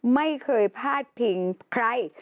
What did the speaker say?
ไม่เคยพาดพิงใคร